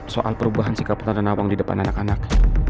soal perubahan sikap tante nawang di depan anak anak